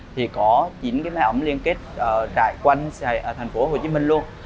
thì có chín cái máy ấm liên kết rải quanh thành phố hồ chí minh luôn